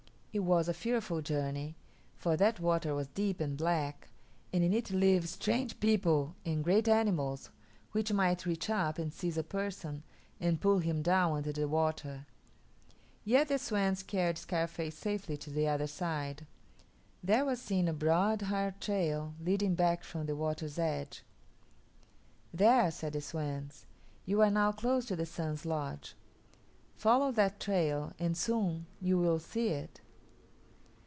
It was a fearful journey, for that water was deep and black, and in it live strange people and great animals which might reach up and seize a person and pull him down under the water; yet the swans carried Scarface safely to the other side. There was seen a broad, hard trail leading back from the water's edge. "There," said the swans; "you are now close to the Sun's lodge. Follow that trail, and soon you will see it."